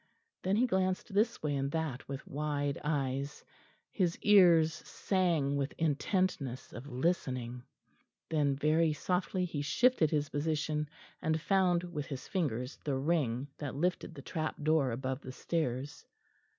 Then he glanced this way and that with wide eyes; his ears sang with intentness of listening. Then, very softly he shifted his position, and found with his fingers the ring that lifted the trap door above the stairs.